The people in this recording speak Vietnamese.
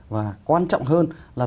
và quan trọng hơn là